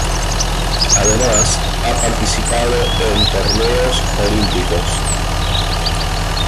Además ha participado en torneos Olímpicos.